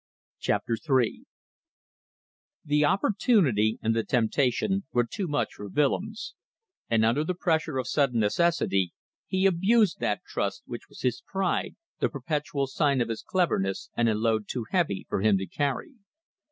CHAPTER THREE The opportunity and the temptation were too much for Willems, and under the pressure of sudden necessity he abused that trust which was his pride, the perpetual sign of his cleverness and a load too heavy for him to carry.